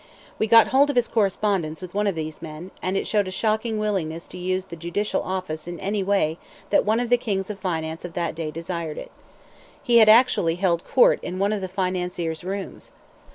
We got hold of his correspondence with one of these men, and it showed a shocking willingness to use the judicial office in any way that one of the kings of finance of that day desired. He had actually held court in one of that financier's rooms.